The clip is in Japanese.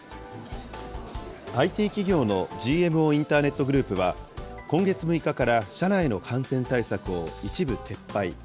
ＩＴ企業のＧＭＯインターネットグループは、今月６日から社内の感染対策を一部撤廃。